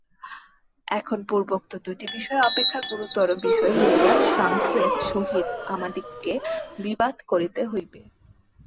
এখন পূর্বোক্ত দুইটি বিষয় অপেক্ষা গুরুতর বিষয় লইয়া সাংখ্যের সহিত আমাদিগকে বিবাদ করিতে হইবে।